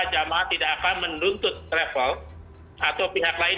jamaah tidak akan menuntut travel atau pihak lain